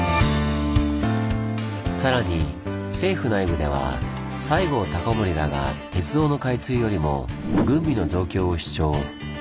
さらに政府内部では西郷隆盛らが鉄道の開通よりも軍備の増強を主張。